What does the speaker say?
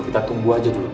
kita tunggu aja dulu